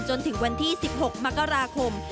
จนถึงวันที่๑๖มกราคม